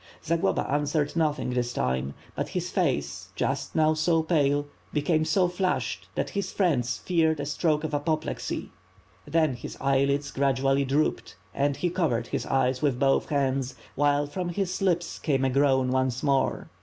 Zagloba answered nothing this time; but his face, just now so pale, became so flushed that his friends feared a stroke of apoplexy. Then his eyelids gradually drooped, and he covered his eyes with both hands; while from his lips came a groan once more.